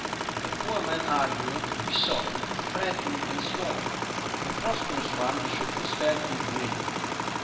The poor man argued, besought, threatened and swore; the prosperous one shook his head and grinned.